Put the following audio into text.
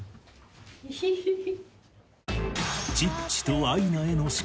イヒヒヒ。